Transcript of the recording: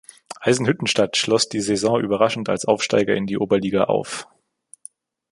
Eisenhüttenstadt schloss die Saison überraschend als Aufsteiger in die Oberliga auf.